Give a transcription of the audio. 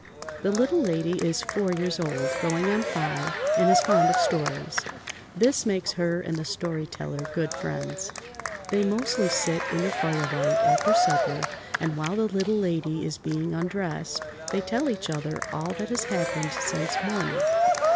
The Little Lady is four years old, going on five, and is fond of stories. This makes her and the Story Teller good friends. They mostly sit in the firelight after supper, and while the Little Lady is being undressed they tell each other all that has happened since morning.